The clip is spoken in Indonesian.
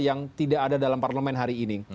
yang tidak ada dalam parlemen hari ini